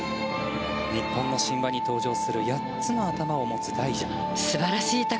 日本の神話に登場する８つの頭を持つ大蛇。